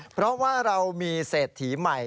เพราะว่าเรามีเศรษฐีใหม่